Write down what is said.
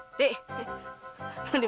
dik lo dimerakin burung dik